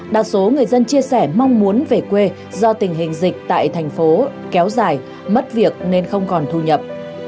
đa số người dân chia sẻ mong muốn về quê do tình hình dịch tại thành phố kéo dài mất việc nên không còn thu nhập